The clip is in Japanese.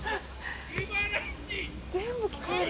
全部聞こえる。